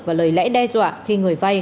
và lời lẽ đe dọa khi người vay